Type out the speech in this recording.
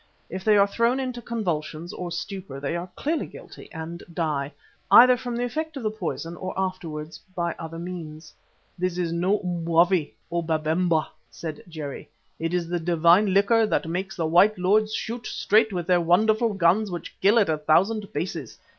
If they are thrown into convulsions or stupor they are clearly guilty and die, either from the effects of the poison or afterwards by other means. "This is no mwavi, O Babemba," said Jerry. "It is the divine liquor that makes the white lords shoot straight with their wonderful guns which kill at a thousand paces.